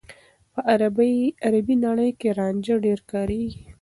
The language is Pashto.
په عربي نړۍ کې رانجه ډېر کارېږي.